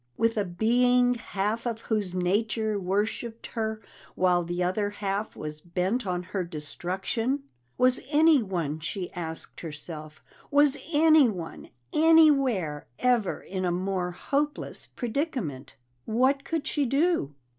With a being half of whose nature worshiped her while the other half was bent on her destruction! Was any one, she asked herself was any one, anywhere, ever in a more hopeless predicament? What could she do?